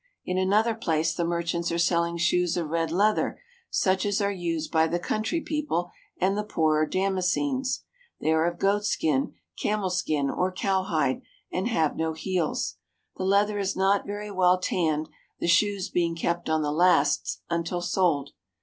In an other place the merchants are selling shoes of red leather such as are used by the country people and the poorer Damascenes. They are of goatskin, camelskin, or cow hide, and have no heels. The leather is not very well tanned, the shoes being kept on the lasts until sold.